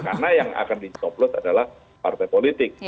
karena yang akan ditoplos adalah partai politik